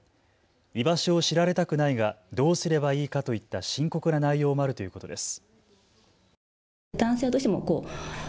居場所を知られたくないがどうすればいいかといった深刻な内容もあるということです。